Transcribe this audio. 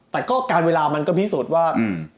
แต่ก็การเวลามันก็พิสูจน์ว่า